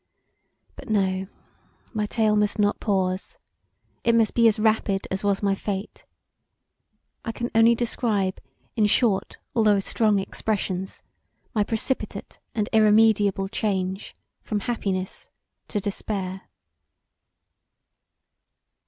But, no, my tale must not pause; it must be as rapid as was my fate, I can only describe in short although strong expressions my precipitate and irremediable change from happiness to despair.